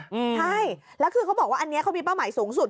ใช่แล้วคือเขาบอกว่าอันนี้เขามีเป้าหมายสูงสุด